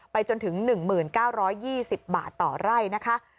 จนถึง๑๙๒๐บาทต่อไร่นะคะ